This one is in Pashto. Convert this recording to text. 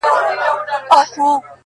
غلیم خو به ویل چي دا وړۍ نه شړۍ کیږي.!